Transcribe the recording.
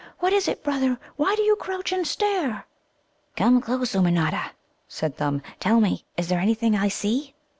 "What is it, brother? Why do you crouch and stare?" "Come close, Ummanodda," said Thumb. "Tell me, is there anything I see?"